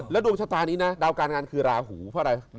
ดวงชะตานี้นะดาวการงานคือราหูเพราะอะไร